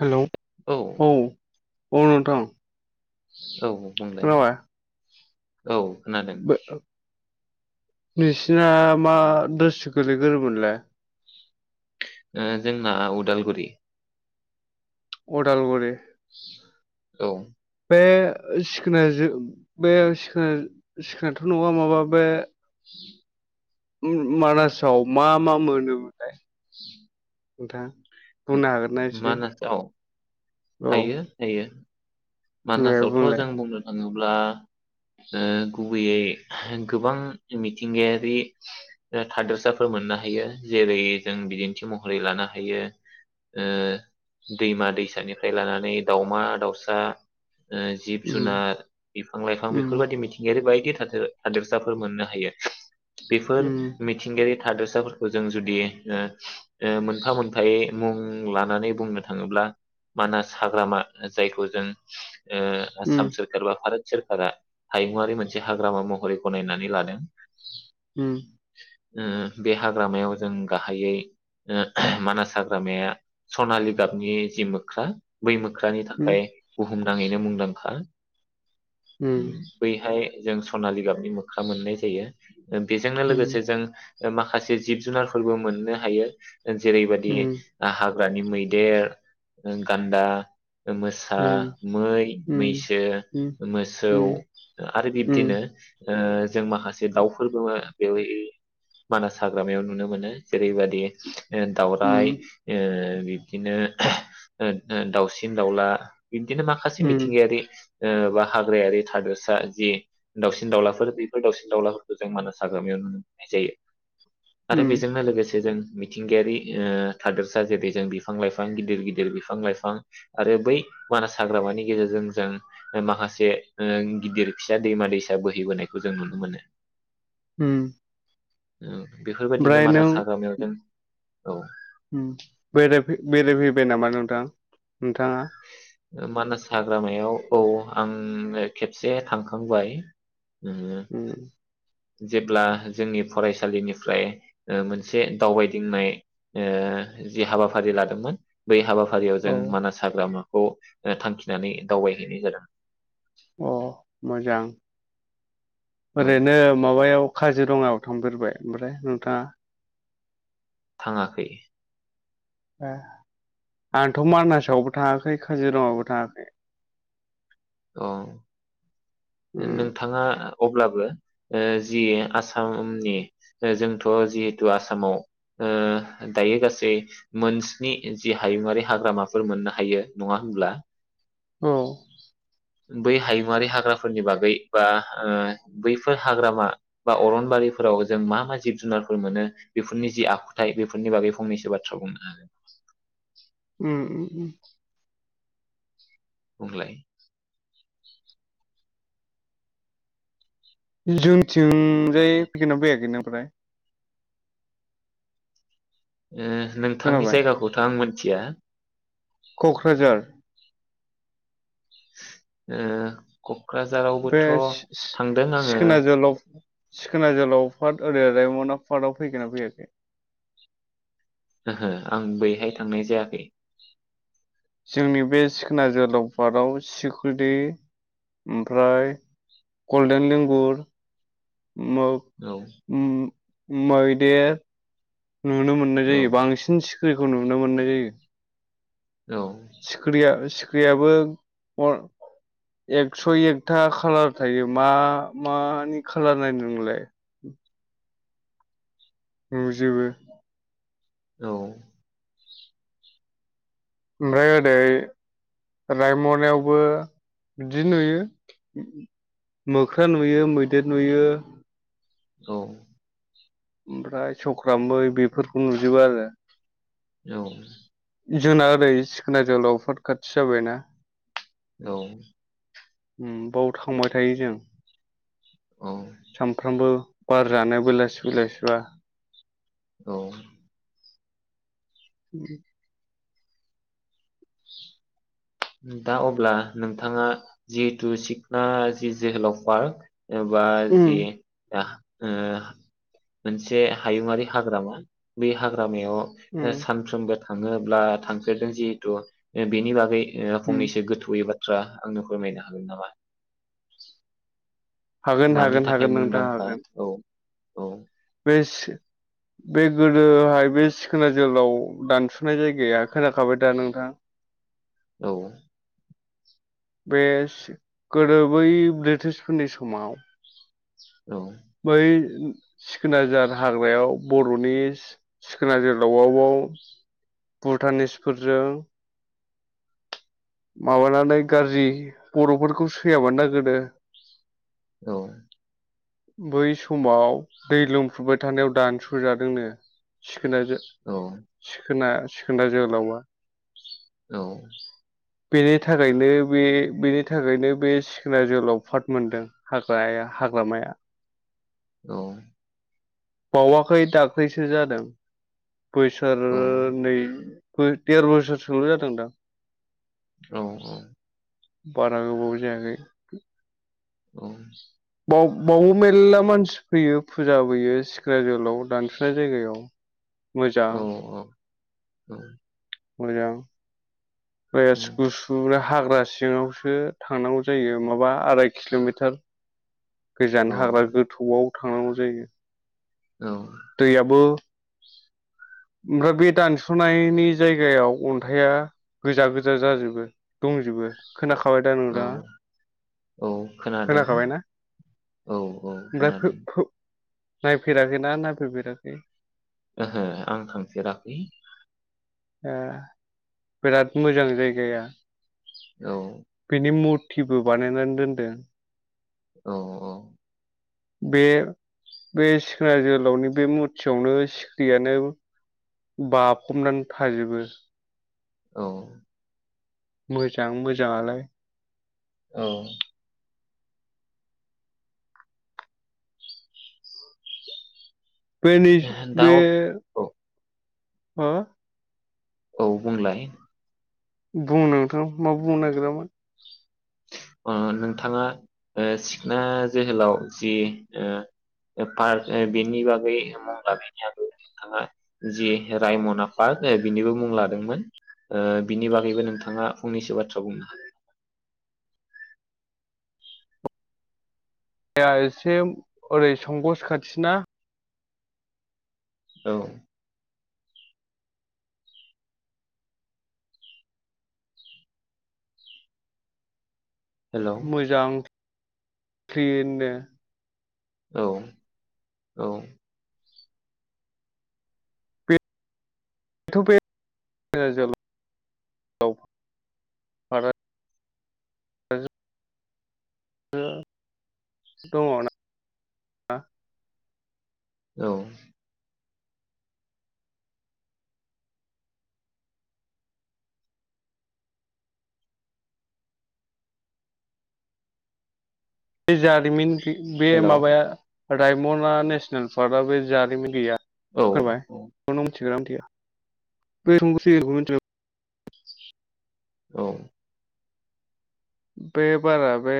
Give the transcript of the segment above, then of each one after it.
हेल औ औ नोंथां औ बुंलाय खोनाबाय औ खोनादों बो नोंसिना मा दस गोलैगोरोमोनलाय जोंना उदालगुरि अदालगुरि औ बे सिखोना जो बेख सिखोना सिखोनाथ नङा माबा बे म मानासाव मा मा मोनोमोनलाय नोंथां म- बुंनो हागोनना एसे मानासाव औ हायो हायो दे मानासावथ बुंलाय जों बुंनो नाङा होनोब्ला ओ गुबैयै गोबां मिथिंगायारि थादोरसाफोर मोननो हायो जेरै जों बिदिन्थि महरै लानो हायो ओ दैमा दैसानिफ्राय लानानै दावमा दाउसा ओ जिब उम जुनार बिफां लाइफां उम बेफोरबायदि मिथिंगायारि बाय [inaudible] हादोरसाफोर मोननो हायो बेफोर उम मिथिंगायारि हादोरसाफोरखौ जों जुदि ओ [unintelligible] ओ मोनफा मोनफायै मुं लानानै बुंनो थाङोब्ला मानास हाग्रामा जायखौ जों ओ उम आसाम सोरखार बा भारत सोरखारा हायुंआरि मोनसे हाग्रामा महरै गनायनानै लादों उम ओ-ओ बे हाग्रामायाव जों गाहायै मानास हाग्रामाया सनालि गाबनि जि मोख्रा बै मोख ख्रानि उम थाखाय बुुहुमनाङैनो मुंदांखा उम हा बैहाय जों सनालि गाबनि मोख्रा मोननाय जायो बेजोंनो उम लोगोसे जों माखासे जिब-जुनारफोरबो मोननो हायो जेरैबायदि उम हा हाग्रानि मैदेर गान्दा ओ मोसा उम मै मैसो मोसौ उम आरो उम बिब्दिनो ओ जों माखासे दाउफोरबो बेवो बेवहाय मानास हाग्रामायाव नुनो मोनो। जेरैबायाददि ओ दावउराय ओ बिब्दिनो ओ दाउसिन दाउला बिब्दिनो माखासे उम मिथिंगायारि ओ बा हाग्रायारि थादोरसा जि दाउसिन दाउलाफोर बेफोर दावउसिन दाउलाफोरखौ जों मानास हाग्रामायाव नुनो मोननाय जायो। आरो उम बेजोंनो लोगोसे जों मिथिंगायारि ओ थादोरसा जेरै जों बिफां लाइफां गिदिर गिदिर बिफां लाइफां आरो बै मानास हाग्रामानि गेजेरजों जों ओ माखासे ओ गिदिर फिसा दैमा दैसा बोहैबोनायखौ जों नुनो मोनो। हम औ बेफोरबायदिनो मानास हाग्रामायाव जों औ उम बेराय फै बेराय फैबाय नामा नोंथां। नोंथाङा मानास हाग्रामायाव औ आं खेबसे थांखांबाय। [unintelligible] उम जेब्ला जोंनि फरायसालिनिफ्राय ओ मोनसे दावबायदिंनाय ओ जि हाबाफारि लादोंमोन बे हाबाफा फारियाव जों अ मानास हाग्रामा खौ थांखिनानै दावबायहैनाय जादों। अ मोजां। औ ओरैनो माबायाव काजिरङायाव थांफेरबाय ओमफ्राय नोंथाङा? थाङाखै ए आंथ मानासआवबो थाङाखै काजिरङायावबो थाङाखै। अ उम नोंथाङा अब्लाबो ओ जि आसामनि जोंथ जिहेथु आसामाव ओ दायो गासै मोनस्नि जि हायुंआारि हाग्रामाफोर मोननो हायो नङा हमब्ला औ बै हायुंआारि हाग्राफोरनि बागै बा ओ बैफोर हाग्रामा बा अरनबारिफोराव जों मा मा जिब जुनारफोर मोनो बेफोरनि जि आखुथाय बेफोरनि बागै फंनैसो बाथ्रा बुंनो उम उम उम बुंलाय जोंनिथिंजाय फैगोन ना फैयाखै नों ओमफ्राय ओ नोंथांनि खोनाबाय जायगाखौथ आं मोन [unintelligible] कक्राझार ओ क बे आङो सि-सि-सिखोना जोहोलाव सिखोना जोहोलाव पार्क [unintelligible] रायमना पार्कआव फैखोना फैयाखै? ओहो आं बैहाय थांनाय जायाखै। जोंनि बे सिखोना जोहोलाव पार्काव सिखुलि ओमफ्राय गल्डेन लिंगुर औ [unintelligible] मैदेर नुनो मोननाय औ जायो बांसिन सि [unintelligible] नुनो मोननाय जायो। औ सिखिरिया सि ख्रियाबो [unintelligible] एकस एकथा खालार थायो मा मानि खालार नायनो नोंलाय नुजोबो। औ ओमफ्राय ओरै रायमनायावबो बिदि नुयो मोख्रा नुयो मैदेर नुयो औ ओमफ्राय सख्रा मै बेफोरखौ नुजोबो आरो। औ जोंना ओरै सिखोना जोहोलाव पार्क खाथि जाबायना। औ उम बाव थांबाय थायो जों। औ सामफ्रामबो बार जानो बेलासि बेलासिबा। औ [inaudible] [inaudible] दा अब्ला नोंथाङा जिहेतु सिखना जि जोहोलाव पार्क एबा उम जि [unintelligible] ओ मोनसे हायुंङारि हाग्रामा बे हाग्रा मायाव उम ओ सानफ्रोमबो थाङो अब्ला थांफेरदों जिहेथु ओ बेनि बागै ओ उम फंनैसो गोथौयै बा थ्रा आंनो फोरमायनो हागोन नामा? हागोन मानि हागोन थाखाय हागोन नोंथां मुंदांखा हागोन। औ औ [unintelligible] बे गोदोहाय बे सिखोना जोलाव दानसनाय जायगाया खोनाखाबाय दा नोंथां? औ बे गोदो बै ब्रिटिशफोरनि समाव औ बै सिखोनजार हाग्रायाव बर'नि सिखोनजोलावाव भुटानिसफोरजों माबानानै गाज्रि बर'फोरखौ सैयाबानो ना गोदो औ बै समाव दै लोंफुबाय थानायाव दानसुजादोंनो सिखोनजो औ सिखोना सिखोना जोहोलावा। औ बेनि थाखायनो बे बेनि थाखायनो बे सिखोन जोहोलाव पाट मोनदों हाग्राया हाग्रामाया औ बावाखै दाख्लैसो जादों। औ बोसोरनै देर बोसोर सोंल जादों दां औ औ बारा गोबाव जायाखै। बाव-बावबो मेल्ला मानसि फैयो फुजा होफैयो सिखोना जोहोलाव दानसुनाय जायगायाव मोजां औ औ औ मोजां [unintelligible] हाग्रा सिङावसो थांनांगौ जायो माबा आराय किलमिटार गोजान हाग्रा गोथौआव थांनांगौ जायो। औ दैयाबो ओमफ्राय बे दानसनायनि जायगायाव अन्थाइआ गोजा गोजा जाजोबो दंजोबो। खोनाखाबाय दा औ नोंथाङा औ खोनादों खोनाखाबायना औ औ ओमफ्राय फो खोनादों। फो नायफेराखैना होफेराखै। ओहो आं थांफेराखै। ओ बिराद मोजां जायगाया। औ बिनि मुरतिबो बानायनानै दोनदों। औ औ बे बे सिखोना जोहोलावनि बे मुरथियावनो सिखिरियानो बाफबनानै थाजोबो। औ मोजां मोजाङालाय। औ। दा [unintelligible] अ- औ हो? औ बुंलाय बुं नोंथां मा बुंनो नागिरामोन ओ नोंथाङा सिखना जोहोलाव जि ओ पार्क बेनि बागै मुं लाबनि आगोल नोंथाङा जि रायमना पार्क बिनिबो मुं लादोंमोन ओ बिनि बागैबो नोंथाङा फंनैसो बाथ्रा बुंनो हागोन नामा? जाया एसे ओरै संगस खाथिना औ हेलौ मोजां क्लिनो औ औ बेथ बे [unintelligible] औ बे जारिमिन थिग बे हेलौ माबाया रायमना नेसनेल पार्कआ बे जारिमिन गैया औ [unintelligible] [unintelligible] औ बे बारा बे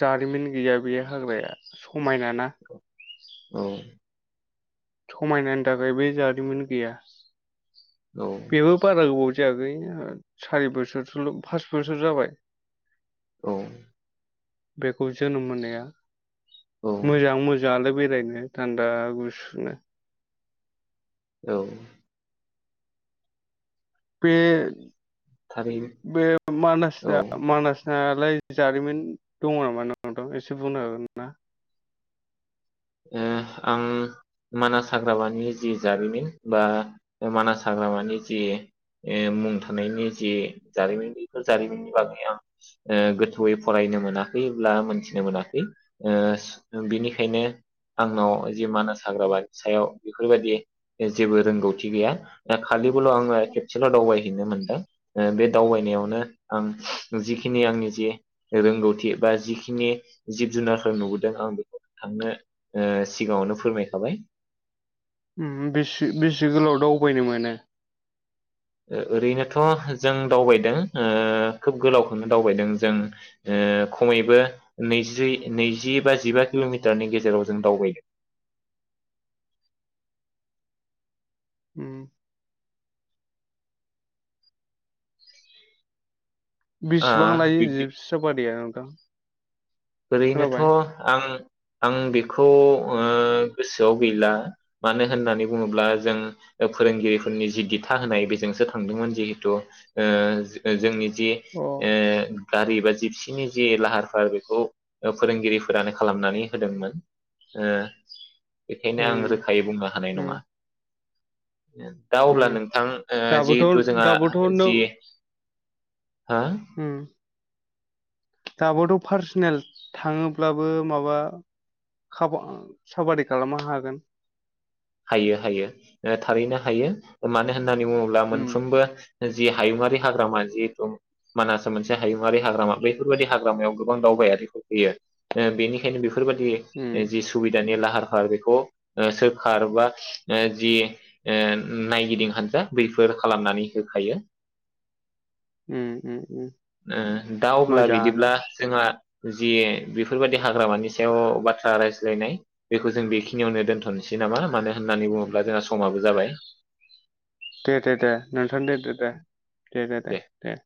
जारिमिन गैया बे हाग्राया खमायना ना औ समायनानि थाखाय बे जारिमिन गैया। औ बेबो बारा गोबाव जायाखै ओ सारि बोसोरसोल फास बोसोर जाबाय। औ बेखौ जोनोम मोननाया औ मोजां मोजाङालाय बेरायनो थान्दा गुसुनो औ बेे थारैनो बे औ मानासा ओ मानास आलाय जारिमिन दङ नामा नोंथां एसे बुंनो हागोना ओ आं मानास हाग्रामानि जि जारिमिन बा मानास हाग्रामानि जे ए मुं थानायनि जे जारिमिन बेफोर जारिमिननि बागै आं ओ गोथौयै फरायनो मोनाखै ब्ला मोनथिनो मोनाखै ओ बिनिखायनो आंनाव जि मानास हाग्राबानि सायाव बेफोरबायदि जेबो रोंगौथि गैया दा खालि बोल आङो खेबसेल दावबायहैनो मोनदों ओ बे दावबायनायावनो आं जिखिनि आंनि जे रोंगौथि बा जिखिनि जिब जुनारफोर नुबोदों आं बेखौ नोंथांनो ओ सिगाङावनो फोरमायखाबाय उम बेसे बेसे गोलाव दावबायनो मोनो ओ ओरैनोथ जों दावबायदों ओ खोब गोलावखौनो दावबायदों जों ओ खमैबो नैजियै नैजि बा जिबा किलमिटारनि गेजेराव जों दावबायदों उम ओ बिसिबां लायो बिब्दि जिबसि साफादिया [inaudible] ओरैनोथ आं आं बेखौ ओ गोसोआव गैला मानो होननानै बुङोब्ला जों ओ फोरोंगिरिफोरनि जि दिथा होनाय बेजोंसो थांदोंमोन जिहेथु ओ जो जोंनि जे अ ओ गारि बा जिपसिनि जे लाहार फाहार बेखौ ओ फोरोंगिरिफोरानो खालामनानै होदोंमोन ओ बेखायनो आं उम रोखायै बुंनो हानाय उम नङा। दा अब्ला उम नोंथां ओ दाबोथ' जिहेथु जोंहा दाबोथ' नों जि हो उम। दाबोथ' पार्सनेल थाङोब्लाबो माबा खाबु साबादि खालामनो हागोन। हायो हायो ओ थारैनो हायो मानो होन नानै बुङोब्ला उम मोनफ्रोमबो जि हायुङारि हाग्रामा जिहेथु मानास मोनसे हायुङारि हाग्रामा बैफोरबायदि हाग्रामायाव गोबां दावबायारिफोर फैयो ओ बेनिखायनो बेफो बेफोरबायदि उम ओ जि सुबिदानि ला आंहा बेखौ ओ सोब खारबा ओ जि ओ नायगिदिं हान्जा बैफोर खालामनानै होखायो। उम उम उम। ओ दा अब्ला मोजाङानो बिदिब्ला जोंहा जि बेफोरबायदि हाग्रामानि सायाव बाथ्रा रायज्लायनाय बेखौ जों बेखिनियावनो दोन्थ'नोसै नामा मानो होननानै बुङोब्ला जोंहा समाबो जाबाय। दे दे दे नोंथां दे दे दे दे दे दे दे।